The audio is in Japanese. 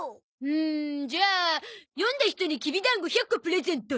うんじゃあ読んだ人にきびだんご１００個プレゼント。